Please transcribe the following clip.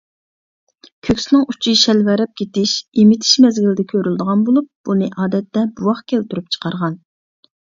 كۆكسىنىڭ ئۇچى شەلۋەرەپ كېتىش ئېمىتىش مەزگىلىدە كۆرۈلىدىغان بولۇپ، بۇنى ئادەتتە بوۋاق كەلتۈرۈپ چىقارغان.